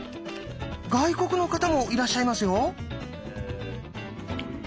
外国の方もいらっしゃいますよ。